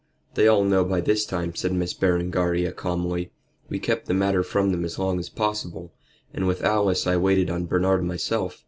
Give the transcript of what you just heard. "They all know by this time," said Miss Berengaria, calmly. "We kept the matter from them as long as possible; and with Alice I waited on Bernard myself.